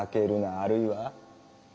あるいは。